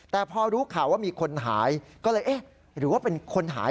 แต่พอรู้ข่าวว่ามีคนหายก็เลยเอ๊ะหรือว่าเป็นคนหาย